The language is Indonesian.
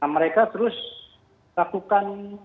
mereka terus lakukan